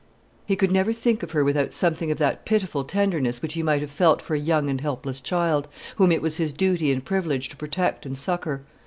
He could never think of her without something of that pitiful tenderness which he might have felt for a young and helpless child, whom it was his duty and privilege to protect and succour.